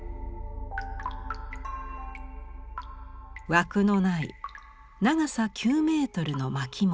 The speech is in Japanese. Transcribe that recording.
枠のない長さ９メートルの巻物。